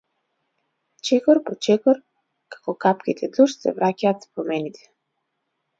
Чекот по чекор како капките дожд се враќаат спомените.